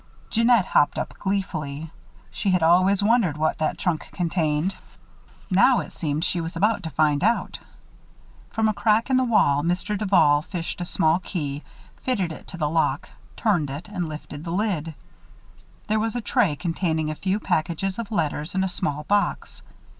Jeannette hopped up, gleefully. She had always wondered what that trunk contained. Now, it seemed, she was about to find out. From a crack in the wall, Mr. Duval fished a small key, fitted it to the lock, turned it, and lifted the lid. There was a tray containing a few packages of letters and a small box.